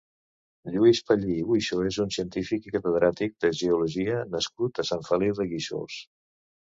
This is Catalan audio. Lluís Pallí i Buixó és un científic i catedràtic de geologia nascut a Sant Feliu de Guíxols.